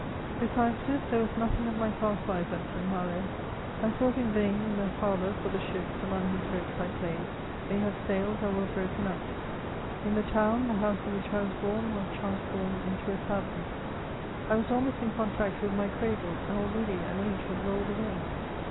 Besides this, there was nothing of my past life at St. Malo ; I sought in yain in the harbour for the ships, among whose ropes I played ; they had sailed or were broken up ; in the* town, the house in which I was bom was transformed into a tavern. I was almost in contact with my cradle, and already an age had rolled away.